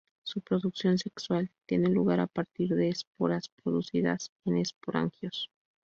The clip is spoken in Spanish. Su reproducción sexual tiene lugar a partir de esporas producidas en esporangios.